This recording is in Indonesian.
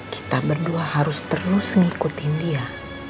kita berdua harus terus ngikutin dia